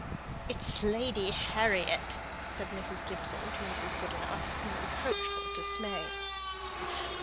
"It's Lady Harriet," said Mrs. Gibson to Mrs. Goodenough, in reproachful dismay.